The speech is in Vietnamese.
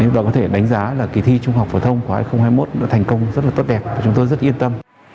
và có thể đánh giá là kỳ thi trung học phổ thông khóa hai nghìn hai mươi một nó thành công rất là tốt đẹp và chúng tôi rất yên tâm